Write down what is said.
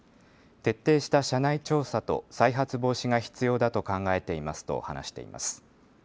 徹底した社内調査と再発防止が必要だと考えていますと話しています。